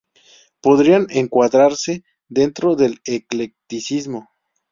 Podrían encuadrarse dentro del eclecticismo.